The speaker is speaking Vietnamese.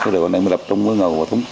rồi bọn này mới lập trung với ngầu của thúng